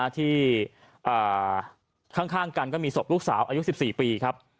ที่ข้างกันก็มีศพลูกสาวอายุ๑๔ปีครับ